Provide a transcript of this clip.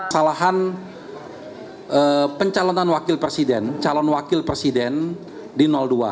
salahan pencalonan wakil presiden calon wakil presiden di dua